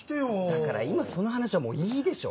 だから今その話はもういいでしょ！